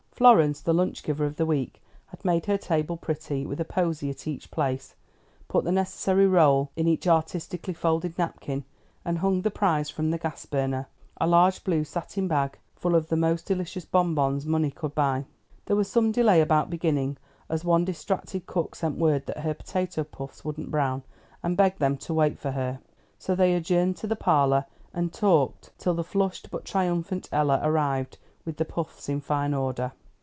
Florence, the lunch giver of the week, had made her table pretty with a posy at each place, put the necessary roll in each artistically folded napkin, and hung the prize from the gas burner, a large blue satin bag full of the most delicious bonbons money could buy. There was some delay about beginning, as one distracted cook sent word that her potato puffs wouldn't brown, and begged them to wait for her. So they adjourned to the parlor, and talked till the flushed, but triumphant Ella arrived with the puffs in fine order.